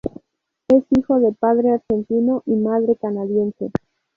Es hijo de padre argentino y madre canadiense.